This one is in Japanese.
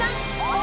お！